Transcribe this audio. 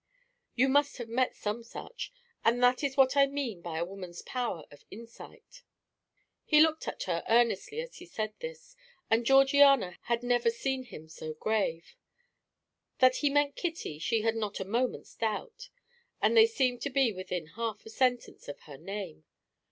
You must have met some such; and that is what I mean by a woman's power of insight." He looked at her earnestly as he said this, and Georgiana had never seen him so grave. That he meant Kitty, she had not a moment's doubt; and they seemed to be within half a sentence of her name.